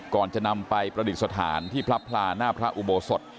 ก่อนจะนำไปประดิษฐานที่พระพลาหน้าพระอุโบสถ